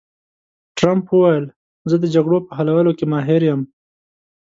ټرمپ وویل، زه د جګړو په حلولو کې ماهر یم.